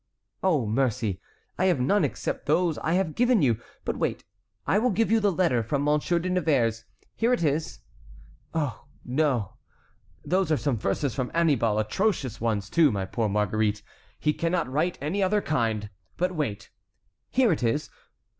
"Oh, mercy, I have none except those I have given you. But wait, I will give you the letter from Monsieur de Nevers. Here it is. Oh, no, those are some verses from Annibal, atrocious ones too, my poor Marguerite. He can not write any other kind. But wait, here it is.